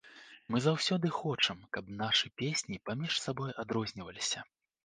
Мы заўсёды хочам, каб нашы песні паміж сабой адрозніваліся.